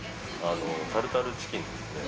タルタルチキンですね。